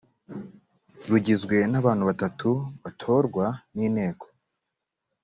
rugizwe n abantu batatu batorwa n inteko